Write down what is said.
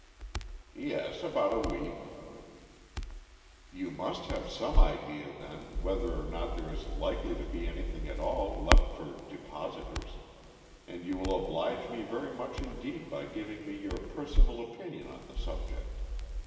"Yes, about a week." "You must have some idea, then, whether or not there is likely to be anything at all left for depositors, and you will oblige me very much indeed by giving me your personal opinion on the subject.